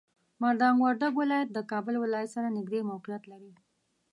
میدان وردګ ولایت د کابل ولایت سره نږدې موقعیت لري.